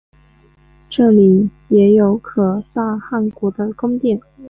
这里也有可萨汗国的宫殿。